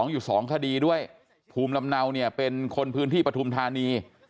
อยู่๒คดีด้วยภูมิลำเนาเป็นคนพื้นที่ประธุมธรรมดินทรัพย์